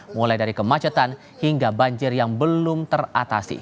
mulai dari kemacetan hingga banjir yang belum teratasi